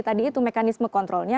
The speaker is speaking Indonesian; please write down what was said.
tadi itu mekanisme kontrolnya